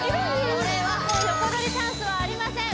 あもう横取りチャンスはありません